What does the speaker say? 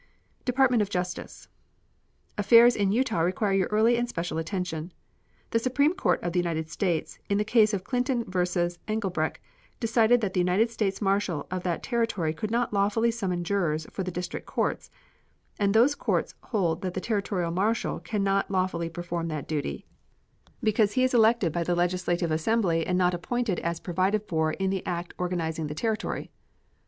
DEPARTMENT OF JUSTICE. Affairs in Utah require your early and special attention. The Supreme Court of the United States, in the case of Clinton vs. Englebrecht, decided that the United States marshal of that Territory could not lawfully summon jurors for the district courts; and those courts hold that the Territorial marshal can not lawfully perform that duty, because he is elected by the legislative assembly, and not appointed as provided for in the act organizing the Territory.